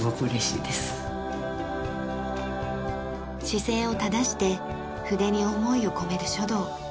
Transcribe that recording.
姿勢を正して筆に思いを込める書道。